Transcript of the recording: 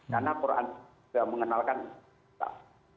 karena al quran sudah mengenalkan hisap